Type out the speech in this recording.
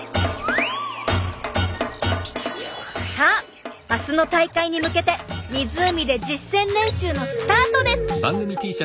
さあ明日の大会に向けて湖で実践練習のスタートです！